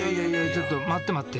ちょっと待って待って。